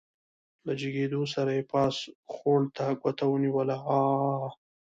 له جګېدو سره يې پاس خوړ ته ګوته ونيوله عاعاعا.